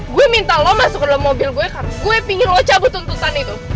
gue minta lo masuk ke dalam mobil gue karena gue pingin lo cabut tuntutan itu